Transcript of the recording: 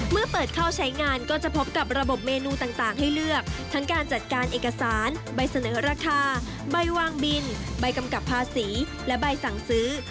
เมื่อเปิดเข้าใช้งานก็จะพบกับระบบเมนูต่างให้เลือกทั้งการจัดการเอกสารใบเสนอราคาใบวางบินใบกำกับภาษีและใบสั่งซื้อ